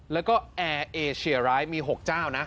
แล้วก็แอร์เอเชียร้ายมี๖เจ้านะ